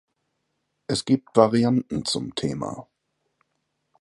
Es gibt Varianten zum Thema.